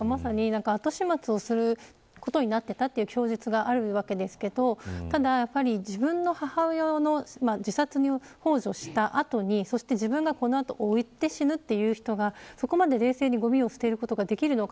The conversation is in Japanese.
後始末をすることになっていたという供述がありますがただ、自分の母親を自殺ほう助をした後に自分が追って死ぬという人がそこまで冷静にごみを捨てることができるのか